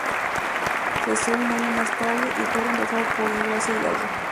Cesó un año más tarde, y fue reemplazada por Engracia Hidalgo.